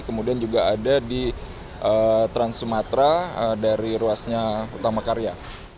kemudian juga ada di trans sumatera dari ruasnya utama karya